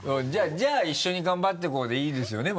じゃあ「一緒に頑張っていこう」でいいですよね？